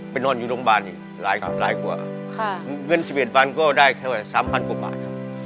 ไปนอนอยู่โรงพยาบาลนี่หลายหลายกว่าค่ะเงินสิบเอ็ดพันก็ได้แค่ว่าสามพันกว่าบาท